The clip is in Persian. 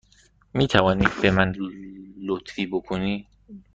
می توانی به من لطفی بکنی؟